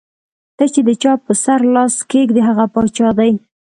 ته چې د چا پۀ سر لاس کېږدې ـ هغه باچا دے ـ